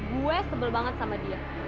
gue sebel banget sama dia